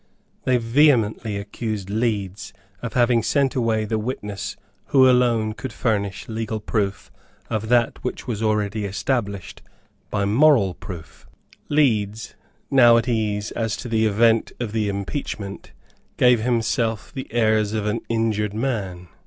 They vehemently accused Leeds of having sent away the witness who alone could furnish legal proof of that which was already established by moral proof. Leeds, now at ease as to the event of the impeachment, gave himself the airs of an injured man.